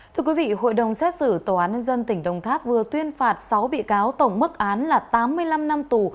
thưa quý vị hội đồng xét xử tòa án nhân dân tỉnh đồng tháp vừa tuyên phạt sáu bị cáo tổng mức án là tám mươi năm năm tù